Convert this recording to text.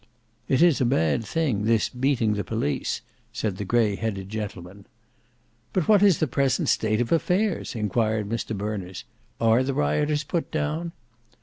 "It is a bad thing—this beating the police," said the grey headed gentleman. "But what is the present state of affairs?" enquired Mr Berners. "Are the rioters put down?"